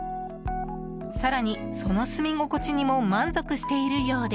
更に、その住み心地にも満足しているようで。